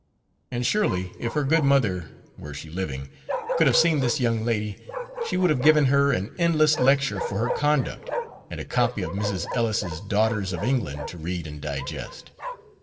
And surely, if her good mother, were she living, could have seen this young lady, she would have given her an endless lecture for her conduct, and a copy of Mrs. Ellis's Daughters of England to read and digest.